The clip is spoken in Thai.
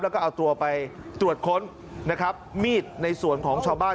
แล้วก็เอาตัวไปตรวจค้นนะครับมีดในสวนของชาวบ้าน